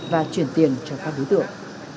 và chuyển tiền cho các đối tượng